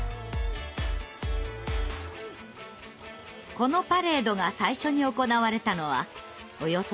このパレードが最初に行われたのはおよそ３０年前。